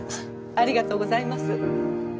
ありがとうございます。